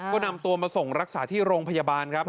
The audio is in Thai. ก็นำตัวมาส่งรักษาที่โรงพยาบาลครับ